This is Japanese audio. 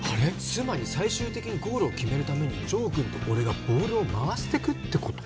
つまり最終的にゴールを決めるために城君と俺がボールを回してくってこと？